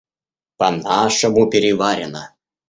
По нашему, переварено.